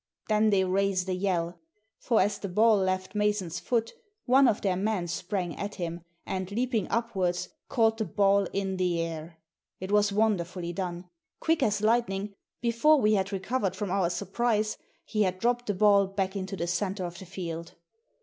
Then they raised a yell; for as the ball left Mason's foot one of their men sprang at him, and, leaping upwards, caught the ball in the air. It was wonderfully done ! Quick as lightning, before we had recovered from our surprise, he had dropped the ball back into the centre of the field.